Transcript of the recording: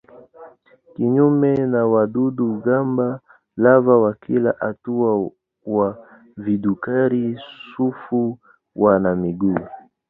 Kinyume na wadudu-gamba lava wa kila hatua wa vidukari-sufu wana miguu.